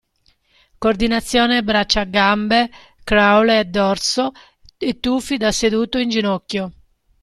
Coordinazione braccia-gambe crawl e dorso e tuffi da seduto o in ginocchio.